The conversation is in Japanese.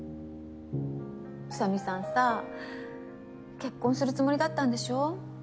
宇佐美さんさ結婚するつもりだったんでしょ？